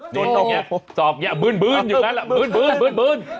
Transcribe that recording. นี่เนี่ยสอบเนี่ยบื้นอยู่นั้นแหละบื้น